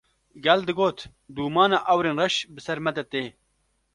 Gel digot: “Dûmana ewrên reş bi ser me de tê”